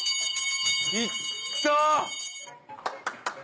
いった！